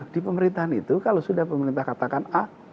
di pemerintahan itu kalau sudah pemerintah katakan a